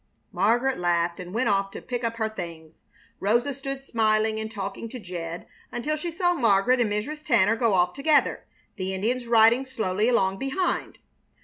Margaret laughed and went off to pick up her things. Rosa stood smiling and talking to Jed until she saw Margaret and Mrs. Tanner go off together, the Indians riding slowly along behind.